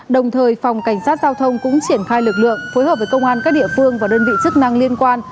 đồng thời phòng cảnh sát giao thông cũng triển khai lực lượng phối hợp với công an các địa phương và đơn vị chức năng liên quan